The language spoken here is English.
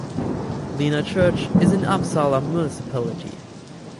Lena Church is in Uppsala Municipality.